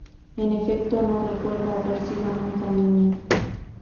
En efecto, no recuerda haber sido nunca niño.